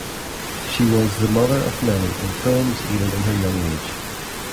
She was the mother of many in films even in her young age.